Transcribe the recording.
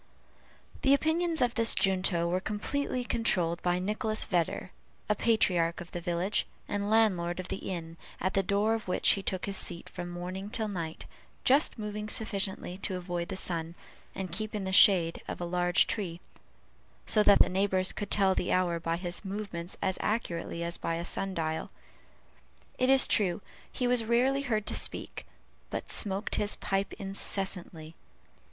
The opinions of this junto were completely controlled by Nicholas Vedder, a patriarch of the village, and landlord of the inn, at the door of which he took his seat from morning till night, just moving sufficiently to avoid the sun, and keep in the shade of a large tree; so that the neighbors could tell the hour by his movements as accurately as by a sun dial. It is true, he was rarely heard to speak, but smoked his pipe incessantly.